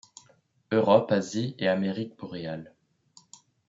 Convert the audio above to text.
Europe, Asie et Amérique boréales.